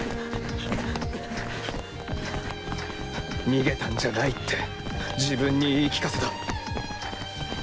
逃げたんじゃないって自分に言い聞かせた。